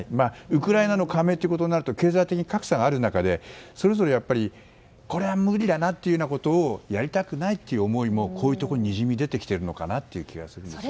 ウクライナの加盟となると経済的に格差がある中でそれぞれこれは無理だなということをやりたくないという思いもこういうところににじみ出てきているのかと思います。